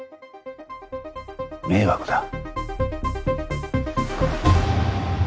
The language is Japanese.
迷惑だ。